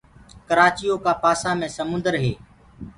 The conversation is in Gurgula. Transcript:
ڪرآچيو ڪآ پآسآ مي سمونٚدر هي